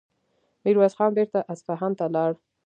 ميرويس خان بېرته اصفهان ته لاړ.